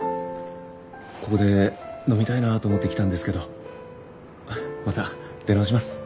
ここで飲みたいなぁと思って来たんですけどまた出直します。